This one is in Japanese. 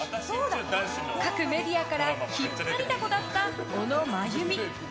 各メディアから引っ張りだこだった、小野真弓。